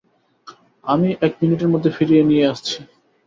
আমি এক মিনিটের মধ্যে ফিরিয়ে নিয়ে আসছি।